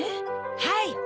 はい！